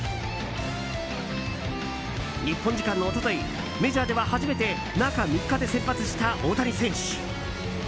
日本時間の一昨日メジャーでは初めて中３日で先発した大谷選手。